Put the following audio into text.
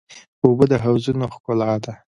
اوبه د حوضونو ښکلا ده.